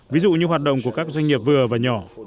ví dụ như hoạt động của các doanh nghiệp vừa và nhỏ